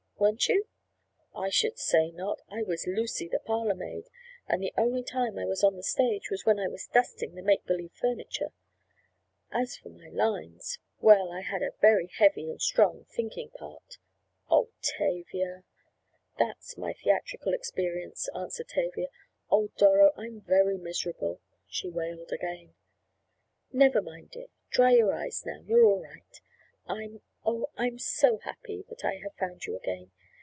"Weren't you?" "I should say not! I was Lucy, the parlor maid, and the only time I was on the stage was when I was dusting the make believe furniture. And as for my lines—well, I had a very heavy and strong thinking part." "Oh, Tavia!" "That's my theatrical experience," answered Tavia. "Oh, Doro, I'm very miserable," she wailed again. "Never mind, dear. Dry your eyes now, you're all right. I'm—Oh, I'm so happy that I have found you again.